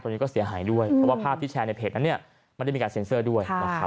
ตอนนี้ก็เสียหายด้วยเพราะว่าภาพที่แชร์ในเพจนั้นเนี่ยไม่ได้มีการเซ็นเซอร์ด้วยนะครับ